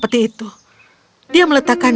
peti itu dia meletakkan